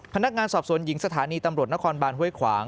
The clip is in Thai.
พนักงานสอบสวนหญิงสถานีตำรวจนครบานห้วยขวาง